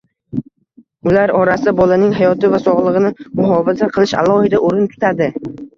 Ular orasida bolaning hayoti va sog‘lig‘ini muhofaza qilish alohida o‘rin tutadi